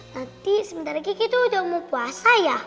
nanti sebentar lagi kita udah mau puasa ya